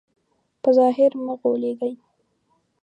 په ظاهر مه غولېږئ.